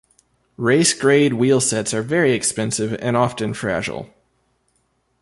Race-grade wheelsets are very expensive and often fragile.